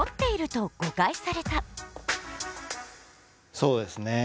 そうですね